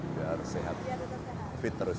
biar sehat fit terus